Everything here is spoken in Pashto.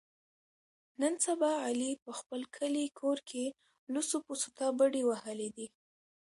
نن سبا علي په خپل کلي کور کې لوڅو پوڅو ته بډې وهلې دي.